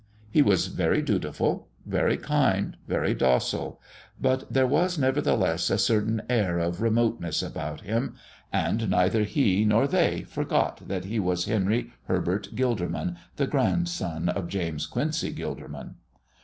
He was very dutiful, very kind, very docile, but there was, nevertheless, a certain air of remoteness about him, and neither he nor they forgot that he was Henry Herbert Gilderman, the grandson of James Quincy Gilderman.